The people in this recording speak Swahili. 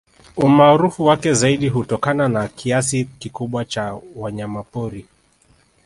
Umaarufu wake zaidi hutokana na kiasi kikubwa cha wanyamapori